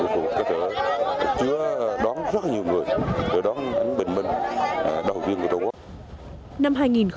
chúng tôi sẽ đón rất nhiều người để đón ánh bình minh đầu tiên của tổ quốc